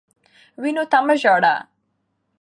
وینو ته مه ژاړه.